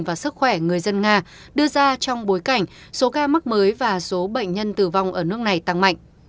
và sức khỏe người dân nga đưa ra trong bối cảnh số ca mắc mới và số bệnh nhân tử vong ở nước này tăng mạnh